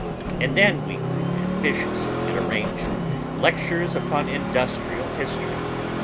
And then we grew ambitious and arranged lectures upon industrial history.